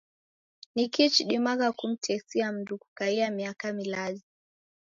Ni kii chidimagha kumtesia mndu kukaia miaka milazi?